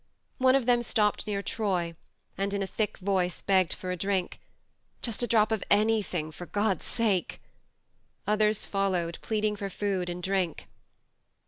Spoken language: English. ... One of them stopped near Troy, and in a thick voice begged for a drink ... just a drop of anything, for God's sake. Others followed, pleading for food and drink.